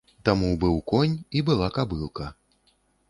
Там быў конь і была кабылка.